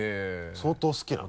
相当好きなの？